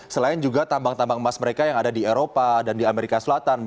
selain juga tambang tambang emas mereka yang ada di eropa dan di amerika selatan